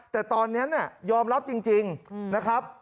แต่ตอนนั้นยอมรับจริงนะครับ